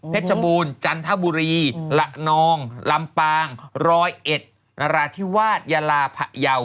บูรณ์จันทบุรีละนองลำปางร้อยเอ็ดนราธิวาสยาลาผะเยา